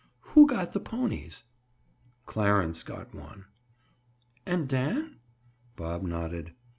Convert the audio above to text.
"Who got the ponies?" "Clarence got one." "And Dan?" Bob nodded.